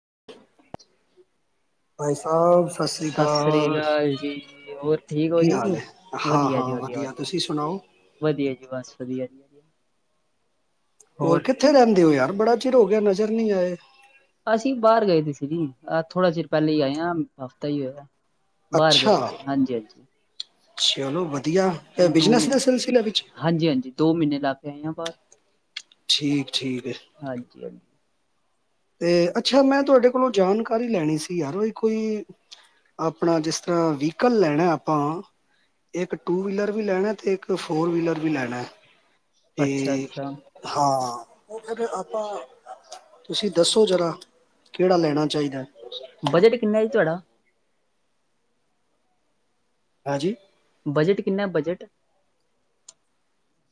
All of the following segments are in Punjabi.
[inaudible] [inaudible] ਸਾ ਸਤਿ ਸ਼੍ਰੀ ਸ੍ਰੀ ਅਕਾਲ ਜੀ, ਹੋਰ ਠੀਕ ਹੋ ਕੀ ਹਾਲ ਜੀ? ਏ ਵਧੀਆ ਹਾਂ-ਹਾਂ ਜੀ ਵਧੀਆ ਤੁਸੀਂ ਸੁਣਾਓ? ਵਧੀਆ ਜੀ ਬਸ ਵਧੀਆ ਹੋਰ ਕਿੱਥੇ ਰਹਿੰਦੇ ਹੋ ਯਾਰ ਬੜਾ ਚਿਰ ਹੋ ਗਿਆ ਨਜ਼ਰ ਨਹੀ ਆਏ। ਅਸੀਂ ਬਾਹਰ ਗਏ ਦੇ ਸੀ ਜੀ ਆ ਥੋੜਾ ਚਿਰ ਪਹਿਲੇ ਆਏ ਹਫ਼ਤਾ ਹੀ ਹੋਇਆ। ਬਾਹਰ ਗਏ ਅੱਛਾ ਸੀ। ਹਾਂਜੀ- ਹਾਂਜੀ ਚਲੋ ਵਧੀ ਦੋ ਮੀਨੇ ਹਾਂਜੀ- ਹਾਂਜੀ ਦੋ ਮੀਨੇ ਲਾ ਕੇ ਆਈ ਆ ਬਾਰ। ਠੀਕ। ਠੀਕ ਹੈ ਹਾਂਜੀ ਹਾਂਜੀ। ਤੇ ਅੱਛਾ, ਮੈਂ ਤੁਵਾਡੇ ਕੋਲੋਂ ਜਾਣਕਾਰੀ ਲੈਣੀ ਸੀ ਯਾਰ ਔਏ ਕੋਈ ਆਪਣਾ ਜਿਸ ਤਰ੍ਹਾਂ ਵੀਕਲ ਲੈਣੈ ਆਪਾਂ ਇੱਕ ਟੂ ਵੀਲਰ ਵੀ ਲੈਣੈ ਤੇ ਇੱਕ ਫੋਰ ਵੀਲਰ ਵੀ ਲੈਣੈ। ਤੇ ਅੱਛਾ, ਅੱਛਾ ਹਾਂ। ਔ ਫੇਰ ਆਪਾਂ ਤੁਸੀਂ ਦੱਸੋ ਜ਼ਰਾ ਕੇੜਾ ਲੈਣਾ ਚਾਈਦੈ। ਬਜਟ ਕਿੰਨਾ ਜੀ ਤੁਹਾਡਾ? ਹਾਜੀ। ਬਜਟ ਕਿੰਨਾ ਬਜਟ?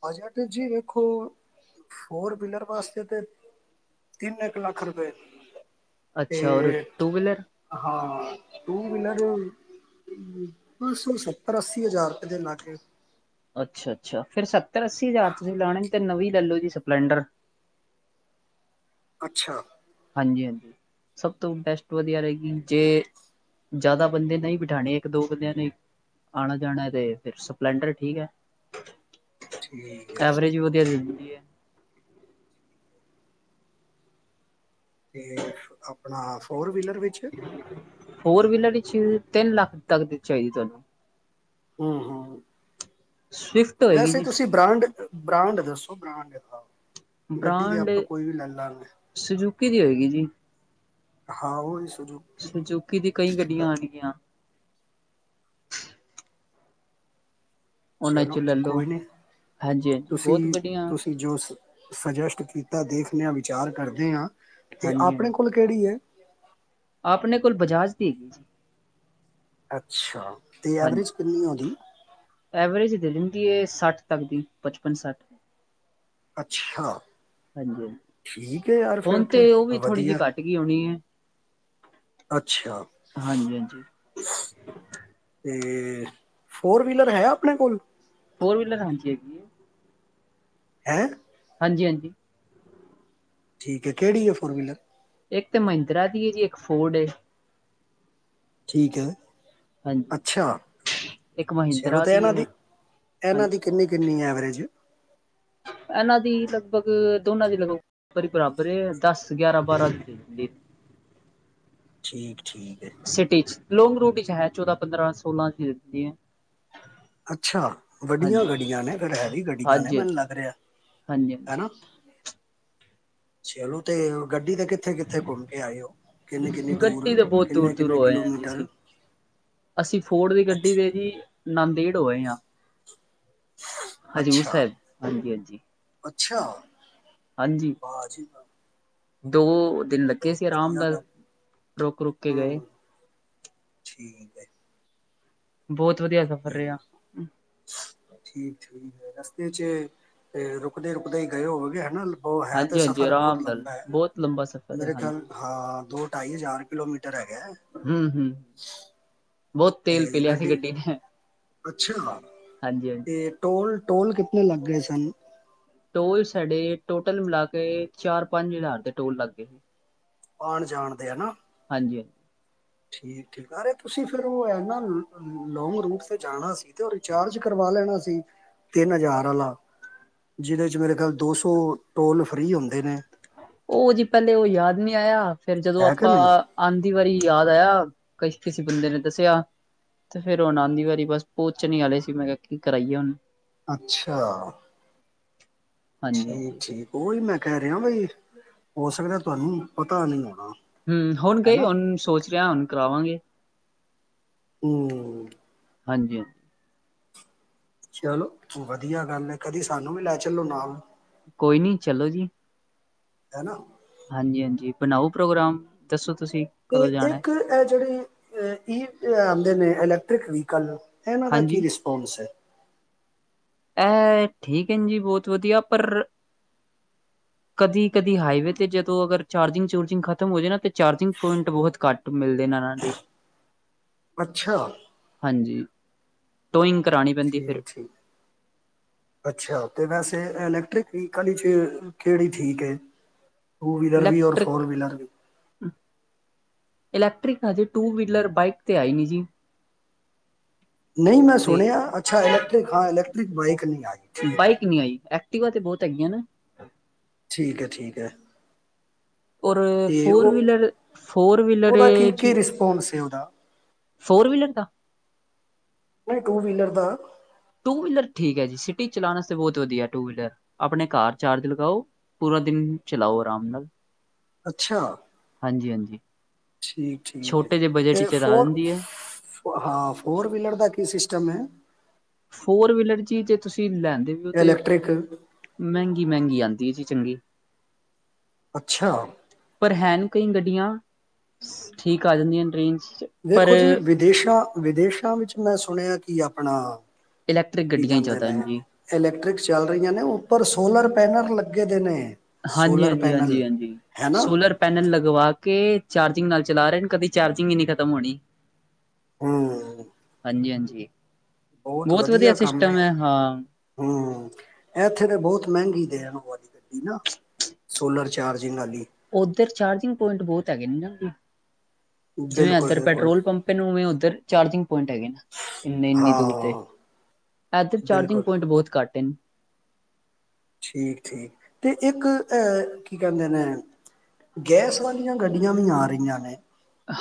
ਬਜਟ ਜੀ ਵੇਖੋ ਫੋਰ ਵੀਲਰ ਵਾਸਤੇ ਤੇ ਤਿੰਨ ਏਕ ਲੱਖ ਰੁਪਏ। ਤੇ ਅੱਛਾ ਔਰ ਟੂ ਵੀਲਰ? ਹਾਂ ਟੂ ਵੀਲਰ ਅ ਬਸ ਔ ਸੱਤਰ ਅੱਸੀ ਹਜ਼ਾਰ ਰੁਪੇ ਦੇ ਲਾਗੇ। ਅੱਛਾ ਅੱਛਾ, ਫੇਰ ਸਤ ਤਰ ਅੱਸੀ ਜ਼ਾਰ ਤੁਸੀਂ ਲੈਣੇ। ਤੇ ਨਵੀਂ ਲੈਲੋ ਜੀ ਸਪਲੈਂਡਰ। ਅੱਛਾ। ਹਾਂਜੀ ਹਾਂਜੀ, ਸਭ ਤੋਂ ਬੈਸਟ ਵਧੀਆ ਰਹੇਗੀ ਜੇ ਜੈਦਾ ਬੰਦੇ ਨਹੀਂ ਬਿਠਾਣੇ ਇੱਕ ਦੋ ਬੰਦਿਆਂ ਨੇ ਆਣੈ ਜਾਣੈ ਤੇ ਫੇਰ ਸਪਲੈਂਡਰ ਠੀਕ ਹੈ। ਠੀਕ ਹੈ ਐਵਰੇਜ ਵੀ ਵਧੀਆ ਦੇਦ ਕੀ ਐ? ਤੇ ਅਪਣਾ ਫੋਰ ਵੀਲਰ ਵਿੱਚ ਫੋਰ ਵੀਲਰ ਈਚ ਤਿੰਨ ਲੱਖ ਤੱਕ ਦੀ ਚਾਹੀਦੀ ਤੁਹਾਨੂੰ। ਹੂੰ ਹੂੰ। ਸਵਿਫਟ ਹੋਏਗੀ ਵੈਸੇ ਜੀ। ਤੁਸੀਂ ਬ੍ਰਾਂਡ ਬ੍ਰਾਂਡ ਦੱਸੋ ਬ੍ਰਾਂਡ ਲਾਓ। ਗੱਡੀ ਤੇ ਆਪਾਂ ਕੋਈ ਵੀ ਲੈ ਲਾਂਗੇ। ਕੀ ਦੀ ਹੋਏਗੀ ਜੀ। ਹਾਂ ਔਹੀ। ਸਜੂਕੀ ਦੀ ਕਈ ਗੱਡੀਆਂ ਆਣਗੀਆਂ। ਉਹਨਾਂ ਚਲੋ ਚੋਂ ਲੈ ਲਓ ਕੋਈ ਨੀ, ਹਾਂਜੀ ਹਾਂਜੀ ਬਹੁਤ ਤੁਸੀਂ ਗੱਡੀਆਂ ਤੁਸੀਂ ਜੋ ਸ ਸਜੈਸਟ ਕੀਤ ਤਾ ਦੇਖਣੇ ਆਂ ਵਿਚਾਰ ਕਰਦੇ ਆਂ। ਤੇ ਹਾਂਜੀ ਆਪਣੇ ਹਾਂਜੀ। ਕੋਲ ਕੇੜੀ ਏ? ਆਪਣੇ ਕੋਲ ਬਜਾਜ ਦੀ ਹੈਗੀ ਏ ਜੀ। ਅੱਛਾ, ਤੇ ਹਾਂਜੀ। ਐਵਰੇਜ ਕਿੰਨੀ ਏ ਔਦੀ? ਐਵਰੇਜ ਦੇ ਦਿੰਦੀ ਏ ਸੱਠ ਤੱਕ ਦੀ ਪਚਪਨ ਸੱਠ। ਅੱਛਾ ਹਾਂਜੀ ਹਾਂਜੀ, ਠੀਕ ਹੈ ਯਾਰ ਫਿਰ ਹੁਣ ਤੇ ਔ ਵੀ ਥੋੜ੍ਹੀ ਜੀ ਵਧੀਆ ਘੱਟ ਗੀ ਹੋਣੀ ਏ, ਅੱਛਾ ਹਾਂਜੀ ਹਾਂਜੀ। ਤੇ ਫੋਰ ਵੀਲਰ ਹੈ ਆਪਣੇ ਕੋਲ ਫੋਰ ਵੀਲਰ ਹਾਂਜੀ ਹੈਗੀ ਹੈ। ਹੈਂ‌ ਹਾਂਜੀ ਹਾਂਜੀ। ਠੀਕ ਹੈ ਕਿਹੜੀ ਹੈ ਫੋਰਵਲਰ। ਇੱਕ ਤੇ ਮਹਿੰਦਰਾ ਦੀ ਇਹ ਜੀ ਇੱਕ ਫੋਰਡ ਏ। ਠੀਕ ਹੈ। ਹਾਂਜੀ ਅੱਛਾ ਇੱਕ ਚਲੋ ਮਹਿੰਦਰਾ ਤੇ ਇਹਨਾਂ ਹੈ ਦੀ ਇਹਨਾਂ ਦੀ ਹਾਂਜੀ ਕਿੰਨੀ ਕਿੰਨੀ ਐਵਰੇਜ ਇਹਨਾਂ ਦੀ ਲਗਭਗ ਦੋਨਾਂ ਦੀ ਬਰ ਹੀ ਬਰਾਬਰ ਦਸ ਗਿਆਰਾਂ ਬਾਰਾਂਦੀ ਠੀਕ। ਠੀਕ ਹੈ ਸਿਟੀ ਚ ਲੌਂਗ ਰੂਟ ਵਿੱਚ ਹੈ ਚੌਦਾਂ ਪੰਦਰਾਂ ਸੋਲਾਂ ਚ ਦਿੰਦੀ ਹੈ। ਅੱਛਾ ਹਾਂਜੀ ਵੱਡੀਆਂ ਗੱਡੀਆਂ ਨੇ ਫਿਰ ਹੈਵੀ ਗੱਡੀਆਂ ਨੇ ਹਾਂਜੀ ਮੈਨੂੰ ਹਾਂਜੀ ਲੱਗ ਰਿਹਾ ਹਾਂਜੀ ਹਨਾ ਹਾਂਜੀ ਚਲੋ ਤੇ ਗੱਡੀ ਤੇ ਕਿੱਥੇ ਕਿੱਥੇ ਘੁੰਮ ਕੇ ਆਏ ਹੋ ਕਿੰਨੇ ਕਿੰਨੇ ਦੂਰ ਗੱਡੀ ਤਾਂ ਬਹੁਤ ਦੂਰ ਕਿੰਨੇ ਦੂਰ ਕਿੰਨੇ ਹੋਏ ਜੀ ਕਿਲੋਮੀਟਰ ਅਸੀਂ ਅਸੀਂ ਫੋਰਡ ਦੀ ਗੱਡੀ ਅੱਛਾ ਦੇ ਜੀ ਨਦੇੜ ਹੋ ਆਏ ਆ। ਹਾਂਜੀ ਹਜੂਰ ਸਾਹਿਬ ਹਾਂਜੀ ਹਾਂਜੀ। ਅਛਾ ਹਾਂਜੀ ਵਾਹ ਜੀ ਵਾਹ ਦੋ ਦਿਨ ਲੱਗੇ ਬਹੁਤ ਸੀ ਆਰਾਮ ਵਧੀਆ ਨਾਲ ਗੱਲ ਰੁਕ ਰੁਕ ਕੇ ਗਏ। ਹੂੰ ਠੀਕ ਹੈ। ਬਹੁਤ ਵਧੀਆ ਸਫ਼ਰ ਰਿਹਾ। ਠੀਕ ਠੀਕ। ਰਸਤੇ ਚ ਰੁਕਦੇ ਰੁਕਦੇ ਗਏ ਹੋ ਗ ਹਨਾ ਉਹ ਹੈ ਤੇ ਹਾਂਜੀ-ਹਾਂਜੀ ਸਫ਼ਰ ਬਹੁਤ ਆਰਾਮ ਨਾਲ ਲੰਬਾ ਹੈ ਬਹੁਤ ਲੰਬਾ ਸਫ਼ਰ ਹੈ ਮੇਰੇ ਖਿਆਲ ਹਾਂਜੀ। ਹਾਂ ਦੋ ਢਾਈ ਹਜ਼ਾਰ ਕਿਲੋਮੀਟਰ ਹੈਂਗਾ। ਹੂੰ-ਹੂੰ। ਬਹੁਤ ਤੇਲ ਇਹ ਪੀ ਲਿਆ ਸੀ ਗੱਡੀ ਨੇ ਅੱਛਾ ਹਾਂਜੀ-ਹਾਂਜੀ। ਇਹ ਟੋਲ ਟੋਲ ਕਿਤਨੇ ਲੱਗ ਗਏ ਸਨ। ਟੋਲ ਸਾਡੇ ਟੋਟਲ ਮਿਲਾ ਕੇ ਚਾਰ ਪੰਜ ਹਜ਼ਾਰ ਦੇ ਟੋਲ ਲੱਗ ਗਏ ਸੀ। ਆਉਣ ਜਾਣਦੇ ਹਨਾ। ਹਾਂਜੀ ਹਾਂਜੀ। ਠੀਕ ਠੀਕ ਅਰੇ ਤੁਸੀਂ ਫਿਰ ਉਹ ਇਨਾ ਲੋਂਂਗ ਰੂਟ ਤੇ ਜਾਣਾ ਸੀ ਤੇ ਉਹ ਰਿਚਾਰਜ ਕਰਵਾ ਲੈਣਾ ਸੀ ਤਿੰਨ ਹਜ਼ਾਰ ਵਾਲਾ ਜਿਹਦੇ ਚ ਮੇਰੇ ਖਿਆਲ ਦੋ ਸੌ ਟੋਲ ਫਰੀ ਹੁੰਦੇ ਨੇ। ਉਹ ਜੀ ਪਹਿਲੇ ਉਹ ਯਾਦ ਨਹੀਂ ਆਇਆ ਫੇਰ ਜਦੋਂ ਹੈ ਕਿ ਆਪਾਂ ਨਹੀਂ ਆਂਦੀ ਵਾਰੀ ਯਾਦ ਆਇਆ ਕਛ ਕਿਸੇ ਬੰਦੇ ਨੇ ਦੱਸਿਆ ਤੇ ਫੇਰ ਉਹ ਆ ਦੀ ਵਾਰੀ ਬਸ ਪੱਚ ਨਹੀਂ ਆੇ ਸੀ ਮੈਂ ਕਿਹਾ ਕੀ ਕਰਾਈਏ ਹੁਣ ਅੱਛਾ ਠੀਕ ਹਾਂਜੀ-ਹਾਂਜੀ। ਠੀਕ ਹੀ ਮੈਂ ਕਹਿ ਰਿਹਾ ਬਈ ਹੋ ਸਕਦਾ ਤੁਹਾਨੂੰ ਪਤਾ ਨੀ, ਹੂੰ ਹੁਣ ਗਈ ਹੁਣ ਸੋਚ ਰਿਹਾ ਹੁਣ ਕਰਾਵਾਂਗੇ। ਹੂੰ, ਹਾਂਜੀ-ਹਾਂਜੀ, ਚਲੋ ਵਧੀਆ ਗੱਲ ਹੈ ਕਦੀ ਸਾਨੂੰ ਵੀ ਲੈ ਚੱਲੋ ਨਾਲ, ਕੋਈ ਨੀ ਚਲੋ ਜੀ, ਹਨਾ, ਹਾਂਜੀ-ਹਾਂਜੀ, ਬਣਾਓ ਪ੍ਰੋਗਰਾਮ ਦੱਸੋ? ਤੁਸੀਂ ਤੇ ਕਦੋਂ ਜਾਣਾ ਇੱਕ ਹੈ ਜਿਹੜੀ, ਅ ਅਨ ਇਲਕਟ੍ਰਿਕ ਵਲ ਇਹਨਾਂ ਦਾ ਕੀ ਹਾਂਜੀ, ਰਿਸਪੋਂਸ ਹੈ, ਇਹ ਠੀਕ ਹੈ ਜੀ ਬਹੁਤ ਵਧੀਆ ਪਰ ਕਦੀ ਕਦੀ ਹਾਈਵੇ ਤੇ ਜਦੋਂ ਅਗਰ ਚਾਰਜਿੰਗ ਚੂਰਜਿੰਗ ਖਤਮ ਹੋ ਜਾਏ ਨਾ ਤਾਂ ਚਾਰਜਿੰਗ ਪੁਆਇੰਟ ਬਹੁਤ ਘੱਟ ਮਿਲਦੇ ਨੇ ਇਹਨਾਂ ਦੇ, ਅੱਛਾ, ਹਾਂਜੀ, ਟੋਇੰਗ ਕਰਾਣੀ ਪੈਂਦੀ ਫਿਰ, ਠੀਕ ਠੀਕ ਅੱਛਾ ਤੇ ਵੈਸੇ ਇਲੈਕਟ੍ਰਿਕ ਵਹੀਕਲੀ ਚ ਕਿਹੜੀ ਠੀਕ ਐ? ਟੂ ਵੀਲਰ ਵੀ ਔਰ ਫੋਰ ਇਲੈਕਟ੍ਰਿਕ ਵੀਲਰ ਵੀ? ਇਲੈਕਟ੍ਰਿਕ ਹਜੇ ਟੂ ਵੀਲਰ ਬਾਈਕ ਤੇ ਆਈ ਨੀ ਜੀ, ਨਹੀਂ ਮੈਂ ਤੇ ਸੁਣਿਆ ਅੱਛਾ ਇਲੈਕਟ੍ਰਿਕ ਹਾਂ ਇਲੈਕਟ੍ਰਿਕ ਬਾਈਕ ਨਹੀਂ ਆਈ ਠੀਕ ਹੈ। ਐਕਟੀਵਾ ਬਹੁਤ ਹੈਗੀਆਂ ਨੇ, ਠੀਕ ਹੈ ਠੀਕ ਹੈ, ਉਹ ਤੇ ਫੋਰ ਉਹ ਵਲਰ ਫੋਰ ਵੀਲਰ ਉਹਦਾ ਕੀ ਕੀ ਜੀ, ਰਿਸਪੋਂਸ ਹੈ ਉਹਦਾ ਫੋਰ ਵੀਲਰ ਦਾ? ਨਹੀਂ ਟੂ ਵੀਲਰ ਦਾ, ਟੂ ਵੀਲਰ ਠੀਕ ਹੈ ਜੀ ਸਿਟੀ ਚਲਾਣਾ ਤੇ ਬਹੁਤ ਵਧੀਆ ਟੂ ਵੀਲਰ ਆਪਣੇ ਕਾਰ ਚਾਰਜ ਲਗਾਓ ਪੂਰਾ ਦਿਨ ਚਲਾਓ ਆਰਾਮ ਨਾਲ, ਅੱਛਾ, ਹਾਂਜੀ-ਹਾਂਜੀ, ਠੀਕ-ਠੀਕ, ਹੈ ਤੇ 'ਚ ਚਲਾ ਫੋਰ ਦਿੰਦੀ ਹੈ ਹਾਂ ਫੋਰ ਵੀਲਰ ਦਾ ਕੀ ਸਿਸਟਮ ਹੈ। ਫੋਰ ਵੀਲਰ ਜੀ ਜੇ ਤੁਸੀਂ ਲੈਂਦੇ ਵੀ ਹੋ ਤੇ ਇਲੈਕਟ੍ਰਿਕ ਮਹਿੰਗੀ ਮਹਿੰਗੀ ਆਦੀ ਹੈ ਜੀ, ਚੰਗੀ, ਅੱਛਾ, ਹੈਨ ਕਈ ਗੱਡੀਆਂ ਠੀਕ ਆ ਜਾਂਦੀਆਂ ਟਰੇਨ, ਵੇਖੋ ਜੀ ਵਿਦੇਸ਼ਾਂ, ਵਿਦੇਸ਼ਾਂ ਵਿੱਚ ਮੈਂ ਸੁਣਿਆ ਕਿ ਆਪਣਾ, ਇਲੈਕਟ੍ਰਿਕ ਕੀ ਗੱਡੀਆਂ ਹੀ ਕਹਿੰਦੇ ਜ਼ਿਆਦਾ ਹਨ ਨੇ ਜੀ ਇਲੈਕਟ੍ਰਿਕਸ ਚੱਲ ਰਹੀਆਂ ਨੇ ਉੱਪਰ ਸੋਲਰ, ਪੈਨਲ ਲੱਗੇ ਦੇ ਨੇ, ਸੋਲਰ ਪੈਨਲ ਹਾਂਜੀ-ਹਾਂਜੀ-ਹਾਂਜੀ-ਹਾਂਜੀ, ਹੈ ਨਾ ਸੋਲਰ ਪੈਨਲ ਲਗਵਾ ਕੇ ਚਾਰਜਿੰਗ ਨਾਲ ਚਲਾ ਰੇ ਨੇ ਕਦੀ ਚਾਰਜਿੰਗ ਹੀ ਨੀ ਖਤਮ ਹੋਣੀ। ਹੂੰ। ਹਂਜੀ ਹਾਂਜੀ। ਬੌਤ ਬਹੁਤ ਵਧੀਆ ਕੰਮ ਏ। ਸਿਸਟਮ ਹੈ ਹਾਂ ਹੂੰ, ਐਥੇ ਤੇ ਬੌਤ ਮੈੰਗੀ ਦੇ ਆ। ਨਿਓ ਵਾਲੀ ਗੱਡੀ ਨਾ ਸੋਲਰ ਚਾਰਜ ਔਧਰ ਚਾਰਜਿੰਗ ਪੋਇੰਟ ਬੌਤ ਹੈਗੇ ਨੇ ਨਾ। ਜਿਵੇਂ ਬਿਲਕੁਲ ਐਧਰ ਬਿਲਕੁਲ ਪੈਟਰੋਲ ਪੰਪੇ ਨੇ ਉਵੇਂ ਔਧਰ ਚਾਰਜਿੰਗ ਪੌਇੰਟ ਹੈਗੇ ਨੇ, ਇੰਨੇ ਇੰਨੀ ਦੂਰ ਤੇ। ਹਾਂ ਐਧਰ ਚਾਰਜਿੰਗ ਬਿਲਕੁਲ ਪੌਇੰਟ ਬੌਤ ਘੱਟ ਏਨ। ਠੀਕ ਠੀਕ, ਤੇ ਇੱਕ ਅ ਕੀ ਕੈੰਦੇ ਨੇ ਗੈਸ ਵਾਲੀਆਂ ਗੱਡੀਆਂ ਵੀ ਆ ਰਈਆਂ ਨੇ।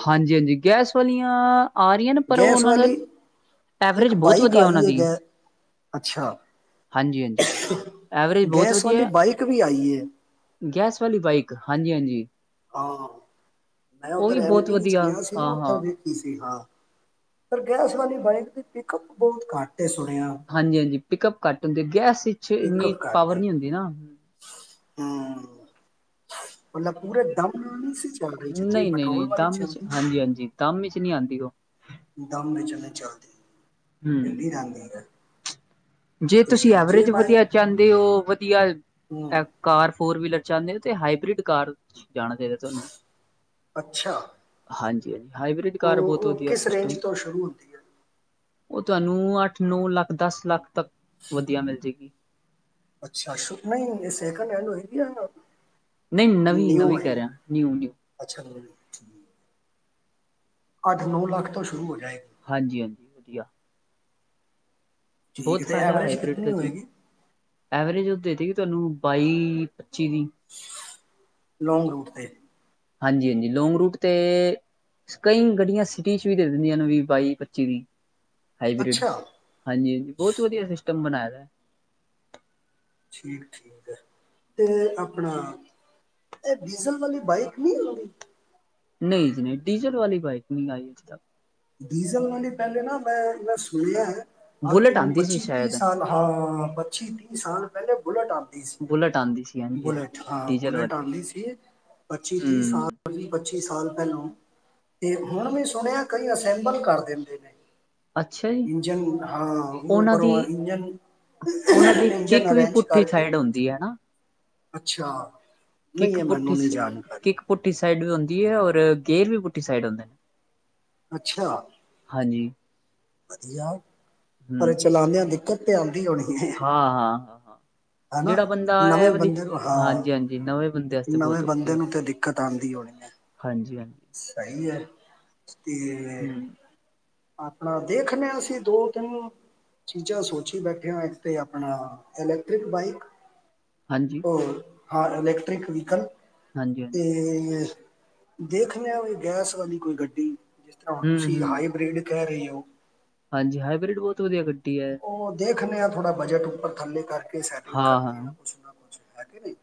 ਹਾਂਜੀ ਹਾਂਜੀ, ਗੈਸ ਵਾਲੀਆਂ‌। ਆ ਰਹੀਆਂ ਨੇ। ਪਰ, ਔ ਗੈਸ ਔਨਾਂ ਨਾਲ ਵਾਲੀ ਐਵਰੇਜ ਇੱਕ ਬੌਤ ਬਾਈਕ ਵਧੀਐ ਔਨਾਂ ਆਈ ਹੈ ਦੀ। ਗੈ ਅੱਛਾ ਹਾਂਜੀ ਹਾਂਜੀ, ਐਵਰੇਜ ਬੌਤ ਗੈਸ ਵਧੀਐ, ਵਾਲੀ ਬਾਈਕ ਵੀ ਆਈ ਹੈ ਗੈਸ ਵਾਲੀ ਬਾਈਕ ਹਾਂਜੀ ਹਾਂਜੀ। ਜੀ। ਹਾਂ, ਮੈਂ ਔਧਰ ਵੀ ਐਮ ਬਹੁਤ ਪੀ ਵਿੱਚ ਵਧੀਆ ਗਿਆ ਸੀ ਨਾ ਹਾਂ ਉਥੇ ਹਾਂ ਵੇਖੀ ਸੀ, ਹਾਂ। ਗੈਸ ਵਾਲੀ ਬਾਈਕ ਦੀ ਪਿਕਅਪ ਬੌਤ ਘੱਟ ਏ ਸੁਣਿਆ। ਹਾਂਜੀ ਹਾਂਜੀ ਪਿਕਅਪ ਘੱਟ ਹੁੰਦੀ ਏ, ਗੈਸ ਪਿਛੇ ਇੰਨੀ ਪਿਕਅਪ ਘੱਟ ਪਾਵਰ ਹੈ ਨੀ ਹੁੰਦੀ ਨਾ। ਹੂੰ, ਮਲਬ ਪੂਰੇ ਦਮ ਨਾਲ ਨੀ ਸੀ। ਚੱਲ ਰਹੀ ਜਿਤਨੀ ਨਹੀਂ ਨਹੀਂ ਪੈਟਰੋਲ ਨਹੀਂ, ਵਾਲੀ ਦਮ ਇਚ ਚੱਲਦੀ ਹੈ ਹਾਂਜੀ ਹਾਂਜੀ ਦਮ ਇਚ ਨੀ ਆਂਦੀ ਔ। ਦਮ ਇਚ ਨਈ ਚੱਲਦੀ। ਹਮ ਹਿਲੀ ਜਾਂਦੀ ਹੈ। ਜੇ ਤੁਸੀਂ ਤੇ ਜੇ ਐਵਰੇਜ ਬਾਈ ਵਧੀਆ ਚਾੰਦੇ ਔ, ਵਧੀਆ ਹੂੰ ਐ ਕਾਰ ਫੋਰ ਵੀਲਰ ਚਾੰਦੇ ਨੇ ਤੇ ਹਾਈਬ੍ਰਿਡ ਕਾਰ ਜਾਣਾ ਚਾਹੀਦੈ ਤੁਹਾਨੂੰ। ਹਾਂਜੀ। ਜੇ ਔ ਔ ਕਿਸ ਰੇਂਜ ਤੋਂ ਸ਼ੁਰੂ ਹੁੰਦੀ ਐ? ਔ ਤੁਹੈਨੂੰ ਅੱਠ ਨੌ ਲੱਖ ਦਸ ਲੱਖ ਤੱਕ। ਵਧੀਆ ਮਿਲ ਜਾਏਗੀ ਅੱਛਾ, ਸ਼ੁ ਨਹੀਂ ਸੈਕਲ ਹੈਂਡ ਹੋਏਗੀ ਯਾ ਨਹੀਂ ਨਵੀਂ ਨਵੀਂ ਕੈ ਰਿਆ, ਨਿਊ ਨਿਊ। [unintelligible] ਅੱਠ ਨੌ ਲੱਖ ਤੋਂ ਸ਼ੁਰੂ ਹੋ ਜੇ ਹਾਂਜੀ ਹਾਂਜੀ, ਵਧੀਆ। ਬੌਤ ਫੈਦਾ ਹਾਈਬ੍ਰਿਡ ਦਾ ਜੀ, ਐਵਰੇਜ ਔ ਦੇਦੇ ਗੀ ਤੁਹਾਨੂੰ ਬਾਈ ਪੱਚੀ ਦੀ ਲੌਂਗ ਰੂਟ ਤੇ, ਹਾਂਜੀ ਹਾਂਜੀ, ਲੋਂਂਗ ਰੂਟ ਤੇ ਕਈ ਗੱਡੀਆਂ ਸਿਟੀ ਚ ਵੀ ਦੇ ਦਿੰਦੀਆਂ ਨੇ ਵੀ ਬਾਈ ਪੱਚੀ ਦੀ ਹਾਈਬ੍ਰਿਡ ਹਾਂਜੀ ਹਾਂ ਬਹੁਤ ਵਧੀਆ ਸਿਸਟਮ ਬਣਾਇਆ। [unintelligible] ਠੀਕ ਐ ਠੀਕ ਐ, ਤੇ ਆਪਣਾ ਇਹ ਡੀਜ਼ਲ ਵਾਲੀ ਬਾਈਕ ਨੀ ਆਂਦੀ ਨਹੀਂ ਨਹੀਂ, ਡੀਜ਼ਲ ਵਾਲੀ ਬਾਈਕ ਨਹੀਂ ਆਈ ਜੀ, ਡੀਜ਼ਲ ਵਾਲੀ ਪਹਿਲੇ ਨਾ ਮੈਂ-ਮੈਂ ਸੁਣਿਆ ਐ। ਆਹ ਬੁਲੇਟ ਤੂੰ ਆਂਦੀ ਸੀ ਪੱਚੀ ਤੀਹ ਸ਼ਾਇਦ ਸਾਲ ਹਾਂ ਪੱਚੀ ਤੀਹ ਸਾਲ ਪਹਿਲੇ ਬੁਲੇਟ ਆਂਦੀ ਬੁਲੇਟ ਆਂਦੀ ਸੀ ਹਾਂਜੀ ਬੁਲੇਟ ਹਾਂਜੀ ਹਾਂ ਡੀਜ਼ਲ ਬੁਲੇਟ ਵਾਲੀ ਆਦੀ ਸੀ, ਪੱਚੀ ਤੀਹ ਸਾਲ ਹੂੰ ਵੀਹ ਪੱਚੀ ਸਾਲ ਪਹਿਲੋਂ ਤੇ ਹੁਣ ਵੀ ਸੁਣਿਆ। ਕਈ ਅਸੈਂਬਲ ਕਰ ਦਿੰਦੇ ਨੇ, ਅੱਛਾ ਜੀ ਇੰਜਣ ਹਾਂ ਉਹਨਾਂ ਪਰ ਦੀ ਇੰਜ ਉਹਨਾਂ ਦੀ ਇੰਜਣ ਕਿੱਕ ਵੀ ਅਰੇਂਜ ਪੁੱਠੀ ਕਰਕੇ। ਸਾਈਡ ਹੁੰਦੀ ਹੈ ਨਾ ਅੱਛਾ, ਨਹੀਂ ਕਿੱਕ ਇਹ ਪੁੱਠੀ ਮੈਨੂੰ ਨਹੀਂ ਸੀ ਜਾਣਕਾਰੀ ਕਿੱਕ ਪੁੱਠੀ ਸੀ। ਸਾਈਡ ਵੀ ਹੁੰਦੀ ਹੈ ਔਰ ਗੇਅਰ ਵੀ ਪੁੱਠੀ ਸਾਈਡ ਹੁੰਦੇ ਨੇ, ਅੱਛਾ, ਹਾਂਜੀ ਵਧੀਆ, ਹੂੰ ਅ ਚਲਾਉਂਦੇ ਆ ਦਿੱਕਤ [unintelligible] ਆਂਦੀ ਹੋਣੀ ਹਾਂ ਹਾਂ ਹਾਂ ਹਾਂ ਹਨਾ ਜਿਹੜਾ ਬੰਦਾ ਇਹ ਨਵੇਂ ਵਾਲੀ ਬੰਦੇ ਨੂੰ ਹਾਂ ਹਾਂਜੀ ਹਾਂਜੀ ਨਵੇਂ ਬੰਦੇ ਵਾਸਤੇ ਨਵੇਂ ਬਹੁਤ ਔਖੀ ਬੰਦੇ ਹੈ ਨੂੰ ਤੇ ਦਿੱਕਤ ਆਦੀ ਹੋਣੀ ਹੈ, ਹਾਂਜੀ ਹਾਂਜੀ ਸਹੀ ਹੈ। ਤੇ, ਅੱ ਹੂੰ ਆਪਣਾ ਦੇਖਦੇ ਹਾਂ ਅਸੀਂ ਦੋ ਤਿੰਨ ਚੀਜ਼ਾਂ ਸੋਚੀ ਬੈਠੇ ਆਂ ਇੱਕ ਤੇ ਆਪਣਾ ਇਲੈਕਟ੍ਰਿਕ ਬਾਈਕ ਹਾਂਜੀ ਹਾਂਜੀ ਹੋਰ, ਹਾਂ ਇਲੈਕਟ੍ਰਿਕ ਵਹੀਕਲ ਹਾਂਜੀ ਹੂੰ ਤੇ, ਦੇਖ ਲਿਆ ਵੀ ਗੈਸ ਵਾਲੀ ਕੋਈ ਗੱਡੀ ਜਿਸ ਤਰ੍ਹਾਂ ਹੁਣ ਤੁਸੀਂ ਹੂੰ ਹਾਈਬ੍ਰਿਡ ਕਹਿ ਰਹੇ [unintelligible] ਹਾਂਜੀ ਹਾਈਬ੍ਰਿਡ ਬਹੁਤ ਵਧੀਆ ਗੱ ਉਹ ਦੇਖ ਖਣੇ ਆ ਥੋੜਾ ਬਜਟ ਉੱਪਰ ਥੱਲੇ ਕਰਕੇ, ਸੈਟਿੰਗ ਕਰਦੇ ਹਾਂ-ਹਾਂ, ਆ ਕੁਛ ਨਾ ਕੁੱਛ ਨਹੀ,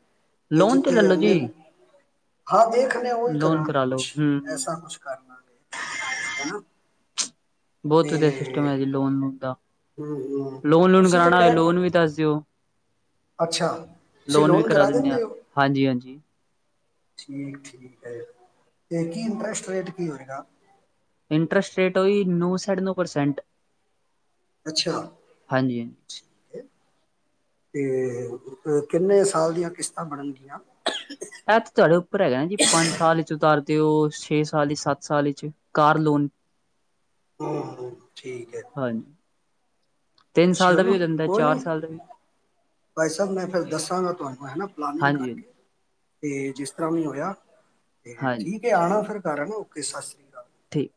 ਲੋਨ ਤੇ ਲੈਲੋ ਜੀ, ਹਾਂ ਦੇਖ ਉਹੀ ਲੋਨ ਕਰਾਂਗੇ ਕਰਾ ਲੋ ਕੁਛ ਹੂੰ-ਹੂੰ। ਐਸਾ ਕੁਛ ਕਰ ਲਾਂਗੇ ਹਨਾ ਬਹੁਤ ਵਧੀਆ ਸਿਸਟਮ ਹੈ ਜੀ ਲੋਨ ਦਾ ਹੂੰ ਹੂੰ ਲੋਨ ਲੂਨ ਤੁਸੀਂ ਤਾਂ ਕਰਾਉਣਾ ਹੋਏ ਕਹਿ ਲੋਨ ਵੀ ਦੱਸ ਦਿਓ ਅੱਛਾ ਲੋਨ ਵੀ ਕਰਾ ਦਿੰਦੇ ਆ ਹਾਂਜੀ ਹਾਂਜੀ ਠੀਕ ਠੀਕ ਹੈ ਤੇ ਕੀ ਇੰਟਰਸਟ ਰੇਟ ਕੀ ਹੋਏਗਾ ਇੰਟਰਸਟ ਰੇਟ ਹੋਈ ਨੌ ਸਾਠ ਨੌ ਪਰਸੈਂਟ ਅੱਛਾ ਠ ਤੇ ਅ ਕਿੰਨੇ ਸਾਲ ਦੀਆਂ ਕਿਸ਼ਤਾਂ ਬਣਨਗੀਆਂ ਇਹਥ ਤੁਹਾਡੇ ਉੱਪਰ ਹੈਗਾ ਨਾ ਜੀ ਪੰਜ ਸਾਲ ਚਤਾਰ ਤੇ ਉਹ ਛੇ ਸਾਲ ਸੱਤ ਸਾਲ ਵਿਚ ਕਾਰ ਲੋਨ ਹਮ ਹਮ ਠੀਕ ਹੈ ਹਾਂਜੀ, ਤਿੰਨ ਸਾਲ ਦਾ ਵੀ ਚਲੋ ਹੋ ਜਾਂਦਾ, ਕੋਈ ਚਾਰ ਨੀ ਸਾਲ ਦਾ ਵੀ ਭਾਈ ਸਾਹਿਬ ਮੈਂ ਫਿਰ ਦੱਸਾਂਗਾ ਤੁਹਾਨੂੰ ਹੈਾ ਪਲਾਨਿੰਗ ਹਾਂਜੀ-ਹਾਂਜੀ, ਕਰਕੇ ਤੇ ਜਿਸ ਹੋਇਆ ਤੇ ਹਾਂਜੀ ਹਾਂਜੀ ਠੀਕ ਆਣਾ ਫਿਰ ਕਰ ਨਾ ਓਕੇ ਸਤਿ ਸ੍ਰੀ ਅਕਾਲ ਠੀਕ।